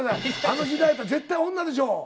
あの時代やったら絶対女でしょう。